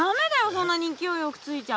そんなにいきおいよくふいちゃ。